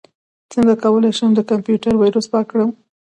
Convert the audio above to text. څنګه کولی شم د کمپیوټر ویروس پاک کړم